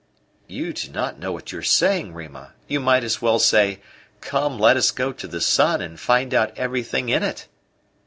"You do not know what you are saying, Rima. You might as well say: 'Come, let us go to the sun and find out everything in it.